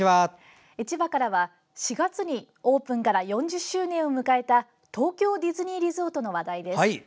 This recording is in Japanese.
千葉からは４月にオープンから４０周年を迎えた東京ディズニーリゾートの話題です。